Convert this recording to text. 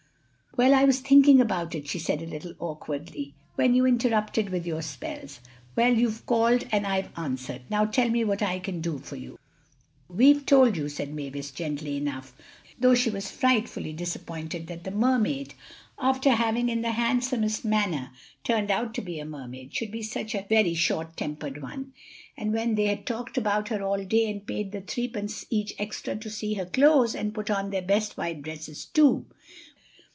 "Well, I was thinking about it," she said, a little awkwardly, "when you interrupted with your spells. Well, you've called and I've answered—now tell me what I can do for you." "We've told you," said Mavis gently enough, though she was frightfully disappointed that the Mermaid after having in the handsomest manner turned out to be a Mermaid, should be such a very short tempered one. And when they had talked about her all day and paid the threepence each extra to see her close, and put on their best white dresses too.